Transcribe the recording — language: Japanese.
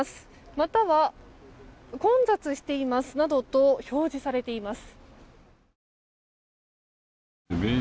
または混雑していますなどと表示されています。